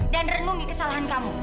dan renungi kesalahan kamu